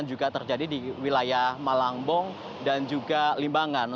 juga terjadi di wilayah malangbong dan juga limbangan